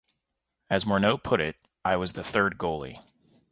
As Morneau put it, I was the third goalie.